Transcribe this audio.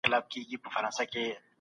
تاسو به د خپل ذهن په ځواک باور لرئ.